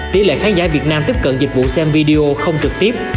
tỷ lệ khán giả việt nam tiếp cận dịch vụ xem video không trực tiếp